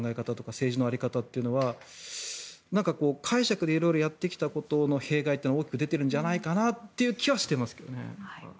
政治の在り方というのは解釈で色々やってきたことの弊害というのが大きく出ているんじゃないかという気はしてますけどね。